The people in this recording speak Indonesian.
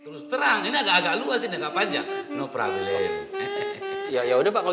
terus terang ini agak agak luas ini tanggapannya no problem ya ya udah pak kalau